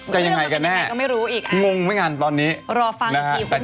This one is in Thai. จะยังไงกันแน่ไม่รู้อีกอ่ะงงไม่งั้นตอนนี้รอฟังกันทีคุณผู้ชม